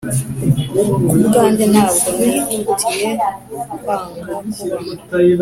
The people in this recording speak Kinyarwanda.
Ku bwanjye ntabwo nihutiye kwanga kuba